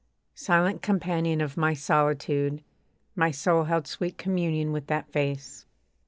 Silent companion of my solitude, My soul held sweet communion with that face.